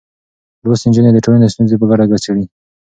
لوستې نجونې د ټولنې ستونزې په ګډه څېړي.